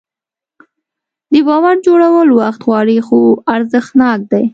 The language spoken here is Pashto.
د باور جوړول وخت غواړي خو ارزښتناک دی.